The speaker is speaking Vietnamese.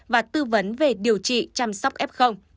và tư vấn về điều trị chăm sóc f